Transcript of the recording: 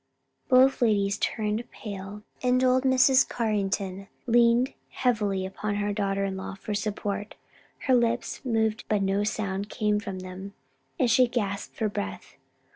Both ladies turned pale, and old Mrs. Carrington leaned heavily upon her daughter in law for support. Her lips moved but no sound same from them, and she gasped for breath.